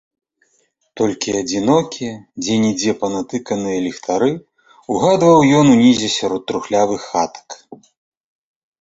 Толькі адзінокія, дзе-нідзе панатыканыя, ліхтары ўгадваў ён унізе сярод трухлявых хатак.